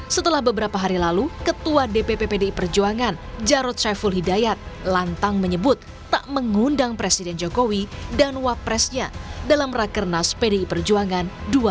setelah beberapa hari lalu ketua dpp pdi perjuangan jarod saiful hidayat lantang menyebut tak mengundang presiden jokowi dan wapresnya dalam rakernas pdi perjuangan dua ribu dua puluh